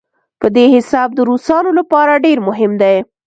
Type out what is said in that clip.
په دې حساب د روسانو لپاره ډېر مهم دی.